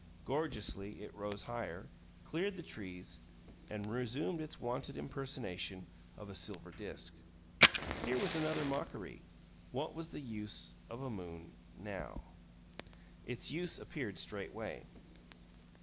Gorgeously it rose higher, cleared the trees, and resumed its wonted impersonation of a silver disk. Here was another mockery: What was the use of a moon NOW? Its use appeared straightway.